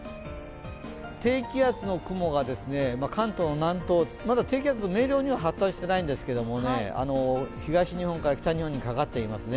低気圧の雲が関東の南東、まだ低気圧、明瞭には発達していないんですが、東日本から北日本にかかっていますね。